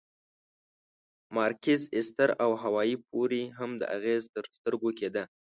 مارکیز، ایستر او هاوایي پورې هم دا اغېز تر سترګو کېده.